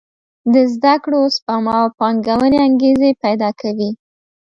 د زده کړو، سپما او پانګونې انګېزې پېدا کوي.